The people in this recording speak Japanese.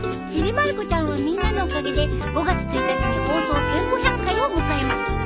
『ちびまる子ちゃん』はみんなのおかげで５月１日に放送１，５００回を迎えます。